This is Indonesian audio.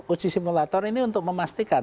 uji simulator ini untuk memastikan